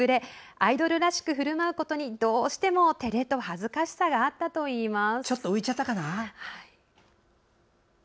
アイドルらしく振る舞うことにどうしても、照れと恥ずかしさがあったといいます。